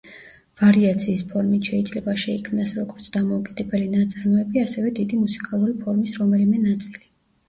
ვარიაციის ფორმით შეიძლება შეიქმნას როგორც დამოუკიდებელი ნაწარმოები, ასევე დიდი მუსიკალური ფორმის რომელიმე ნაწილი.